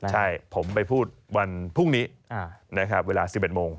ใช่ผมไปพูดวันพรุ่งนี้นะครับเวลา๑๑โมง